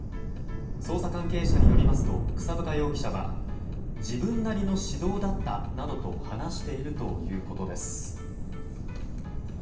捜査関係者によりますと草深容疑者は自分なりの指導だったなどと話しているということです。